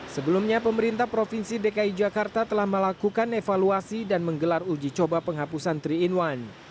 sebelumnya pemerintah provinsi dki jakarta telah melakukan evaluasi dan menggelar uji coba penghapusan tiga in satu